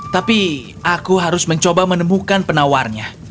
tapi aku harus mencoba menemukan penawarnya